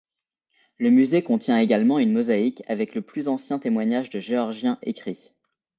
Le musée contient également une mosaïque avec le plus ancien témoignage de géorgien écrit.